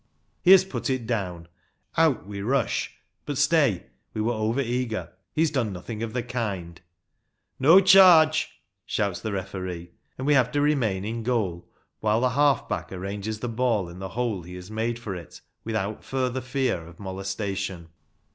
He has put it down ! Out we rush ; but stay ‚ÄĒ we 2i6 RUGBY FOOTBALL. were over eager ‚ÄĒ he has done nothing of the kind, " No charge !" shouts the referee, and we have to remain in goal while the half back arranges the ball in the hole he has made for it without further fear of molestation.